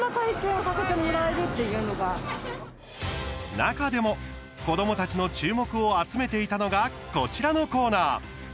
中でも子どもたちの注目を集めていたのがこちらのコーナー。